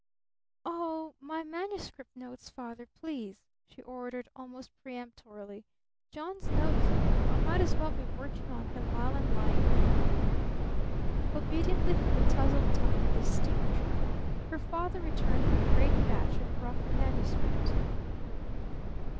"Oh my manuscript notes, Father, please!" she ordered almost peremptorily, "John's notes, you know? I might as well be working on them while I'm lying here." Obediently from the tousled top of the steamer trunk her father returned with the great batch of rough manuscript.